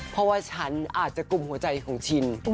เพราะว่าฉันอาจจะกลุ่มหัวใจของชิน